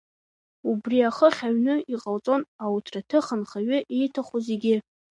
Убри ахыхь аҩны иҟалҵон ауҭраҭых, анхаҩы ииҭаху зегьы.